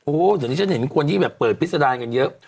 เดี๋ยวนี้ฉันเห็นคนที่แบบเปิดพิษดารกันเยอะ